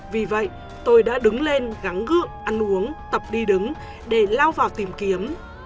vì vậy tôi đã đứng lên gắn gượng ăn uống tập đi đứng để lao vào tìm kiếm